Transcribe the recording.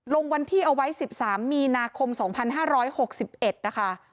ลงวันที่เอาไว้๑๓มีนาคม๒๕๖๑นะคะ